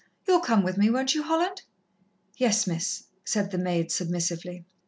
You'll come with me, won't you, Holland?" "Yes, Miss," said the maid submissively.